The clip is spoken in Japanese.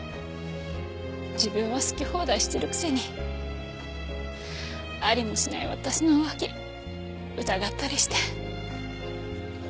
自分は好き放題してるくせにありもしない私の浮気疑ったりして。